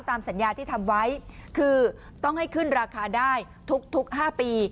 ตามสัญญาที่ทำไว้คือต้องให้ขึ้นราคาได้ทุก๕ปี